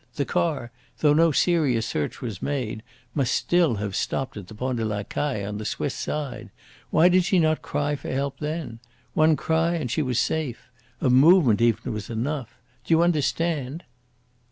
The car, though no serious search was made, must still have stopped at the Pont de La Caille on the Swiss side. Why did she not cry for help then? One cry and she was safe. A movement even was enough. Do you understand?"